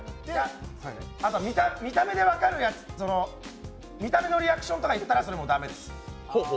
見た目で分かる見た目のリアクションとかも言ったら駄目です。